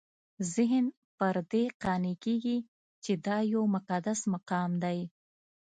ذهن پر دې قانع کېږي چې دا یو مقدس مقام دی.